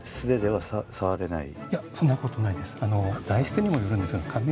いやそんなことないです。